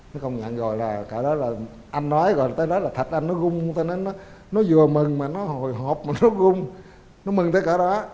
nó không nhận rồi là cả đó là anh nói rồi tới đó là thạch anh nó gung nó vừa mừng mà nó hồi hộp mà nó gung nó mừng tới cả đó